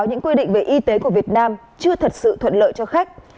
những quy định về y tế của việt nam chưa thật sự thuận lợi cho khách